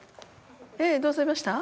ええどうされました？